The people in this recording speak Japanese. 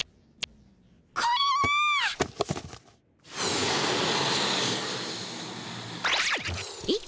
これは！えっ？